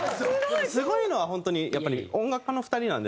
すごいのは本当にやっぱり音楽家の２人なんですよ。